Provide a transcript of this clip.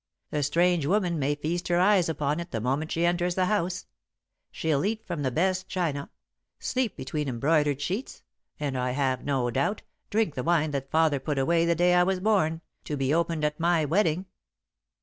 The strange woman may feast her eyes upon it the moment she enters the house. She'll eat from the best china, sleep between embroidered sheets, and, I have no doubt, drink the wine that Father put away the day I was born, to be opened at my wedding."